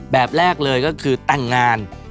แบบแรกเลยก็คือแต่งงาน